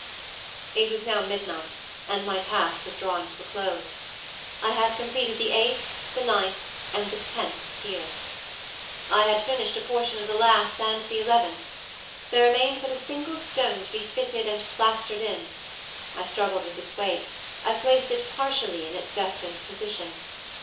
It was now midnight, and my task was drawing to a close. I had completed the eighth, the ninth, and the tenth tier. I had finished a portion of the last and the eleventh; there remained but a single stone to be fitted and plastered in. I struggled with its weight; I placed it partially in its destined position.